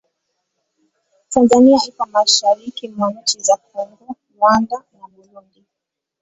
Tanzania ipo mashariki mwa nchi za Kongo, Rwanda na Burundi.